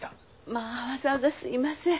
まあわざわざすいません。